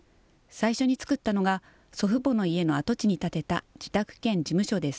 最初に作ったのが、祖父母の家の跡地に建てた自宅兼事務所です。